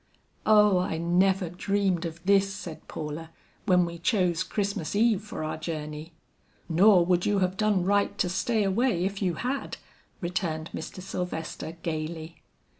"Oh, I never dreamed of this," said Paula, "when we chose Christmas eve for our journey." "Nor would you have done right to stay away if you had," returned Mr. Sylvester gayly.